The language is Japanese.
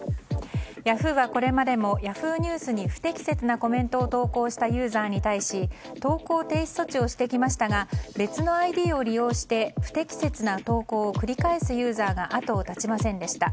ヤフーは、これまでもＹａｈｏｏ！ニュースに不適切なコメントを投稿したユーザーに対し登校停止措置をしてきましたが別のＩＤを利用して不適切な投稿を繰り返すユーザーが後を絶ちませんでした。